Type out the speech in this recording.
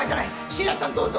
椎名さんどうぞ。